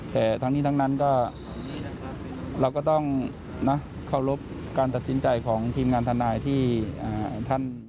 แต่ทั้งนี้ทั้งนั้นก็เราก็ต้องเคารพการตัดสินใจของทีมงานทนายที่ท่าน